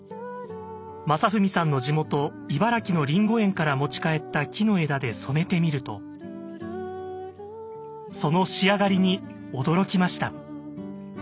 将史さんの地元茨城のリンゴ園から持ち帰った木の枝で染めてみるとその仕上がりに驚きました。